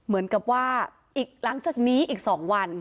เหมือนกับว่าอีกหลังจากนี้อีก๒วัน